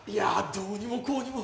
どうにもこうにも。